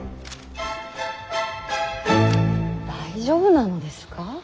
大丈夫なのですか？